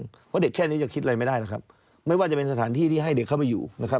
เพราะเด็กแค่นี้จะคิดอะไรไม่ได้นะครับไม่ว่าจะเป็นสถานที่ที่ให้เด็กเข้าไปอยู่นะครับ